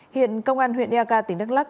hiện công an huyện niaca tỉnh đắk lắc